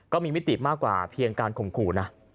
มิติมากกว่าเพียงการข่มขู่นะ